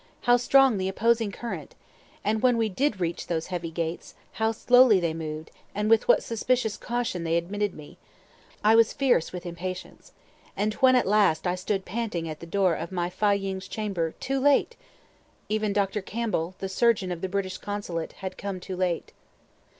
how strong the opposing current! And when we did reach those heavy gates, how slowly they moved, with what suspicious caution they admitted me! I was fierce with impatience. And when at last I stood panting at the door of my Fâ ying's chamber too late! even Dr. Campbell (the surgeon of the British consulate) had come too late.